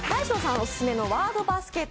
オススメの「ワードバスケット」。